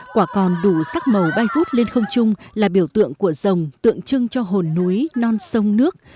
quả còn đủ sắc màu bay vút lên không chung là biểu tượng của rồng tượng trưng cho hồn núi non sông nước